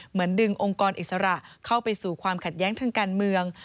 เหมือนดึงองค์กรอิสระเข้าไปสู่ความขัดแย้งทางการเมือง